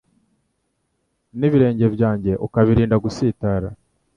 n’ibirenge byanjye ukabirinda gutsitara